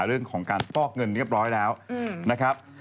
เรื่องของการปอกเงินพอแล้วนะครับ